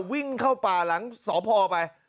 วิ่งเข้าป่าหลังสพไป